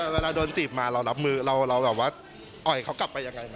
เวลาโดนจีบมาเรารับมือเราแบบว่าปล่อยเขากลับไปยังไง